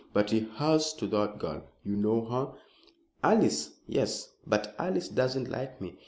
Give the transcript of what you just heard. "But he has to that girl. You know her?" "Alice! yes, but Alice doesn't like me.